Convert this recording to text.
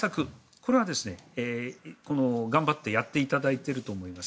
これは頑張ってやっていただいていると思います。